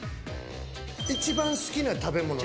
一番好きな食べ物は？